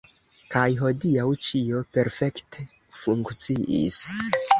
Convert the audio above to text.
Kaj hodiaŭ ĉio perfekte funkciis.